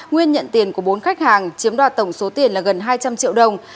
nguyên nhận tiền của bốn khách hàng chiếm đoạt tổng số tiền là gần hai trăm linh triệu đồng